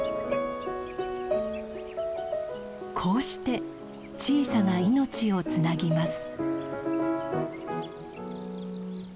こうして小さな命をつなぎます。